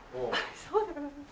そうでございます。